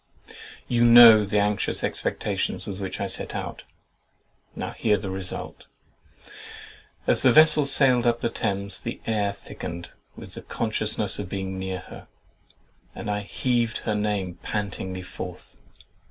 You know the anxious expectations with which I set out:—now hear the result— As the vessel sailed up the Thames, the air thickened with the consciousness of being near her, and I "heaved her name pantingly forth."